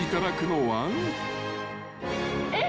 ・えっ？